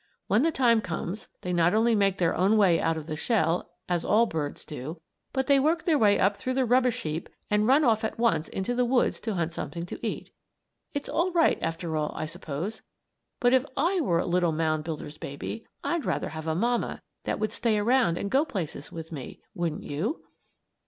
When the time comes they not only make their own way out of the shell, as all birds do, but they work their way up through the rubbish heap and run off at once into the woods to hunt something to eat. It's all right, after all, I suppose; but if I were a little mound builder's baby, I'd rather have a mamma that would stay around and go places with me, wouldn't you?